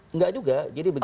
enggak juga jadi begini